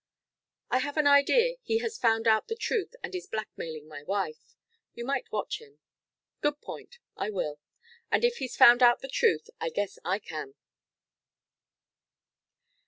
"I have an idea he has found out the truth and is blackmailing my wife. You might watch him." "Good point. I will. And if he's found out the truth I guess I can."